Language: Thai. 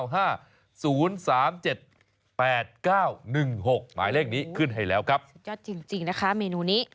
หมายเลขนี้ขึ้นให้แล้วครับสุดยอดจริงนะคะเมนูนี้